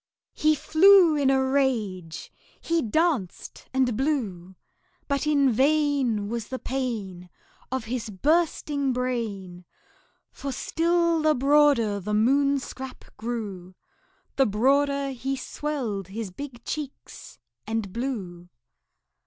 He flew in a rage he danced and blew; But in vain Was the pain Of his bursting brain; For still the broader the Moon scrap grew, The broader he swelled his big cheeks and blew.